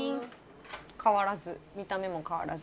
変わらず見た目も変わらず。